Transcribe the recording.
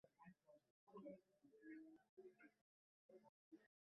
এটা ওর আর আমার মধ্যকার সমস্যা।